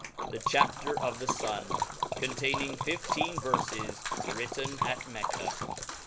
The Chapter of the Sun, containing fifteen Verfes , •written at Mecca.